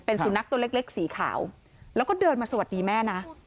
สุนัขตัวเล็กสีขาวแล้วก็เดินมาสวัสดีแม่นะ